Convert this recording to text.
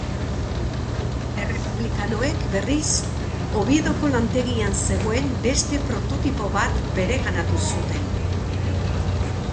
Errepublikanoek, berriz, Oviedoko lantegian zegoen beste prototipo bat bereganatu zuten.